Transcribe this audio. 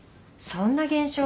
そんな現象は。